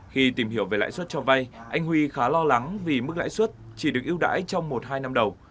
khi tìm hiểu về lãi suất cho vay anh huy khá lo lắng vì mức lãi suất chỉ được ưu đãi trong một hai năm đầu